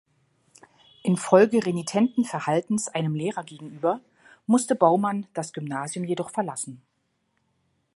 Infolge renitenten Verhaltens einem Lehrer gegenüber musste Baumann das Gymnasium jedoch verlassen.